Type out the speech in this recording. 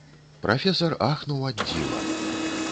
Прафесар ахнуў ад дзіва.